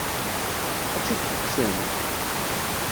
Ad tt-id-tekksem?